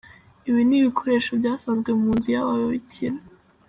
Ibi ni ibikoresho byasanzwe mu nzu y’aba babikira.